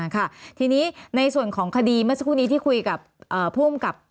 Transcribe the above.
ค่ะทีนี้ในส่วนของคดีเมื่อสักครู่นี้ที่คุยกับผู้อำกับ